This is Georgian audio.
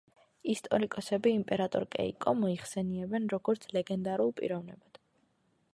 ისტორიკოსები იმპერატორ კეიკო მოიხსენიებენ, როგორც ლეგენდალურ პიროვნებად.